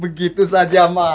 begitu saja marah